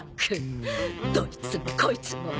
どいつもこいつもヒック。